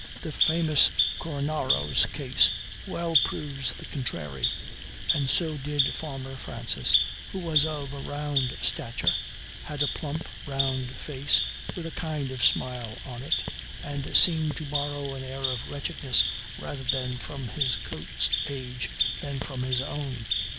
The famous Cornaro's case well proves the contrary; and so did farmer Francis, who was of a round stature, had a plump, round face, with a kind of smile on it, and seemed to borrow an air of wretchedness rather from his coat's age than from his own.